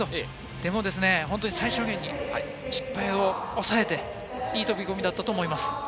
でも、本当に最小限に失敗を抑えていい飛び込みだったと思います。